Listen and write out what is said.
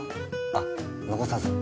あ残さず。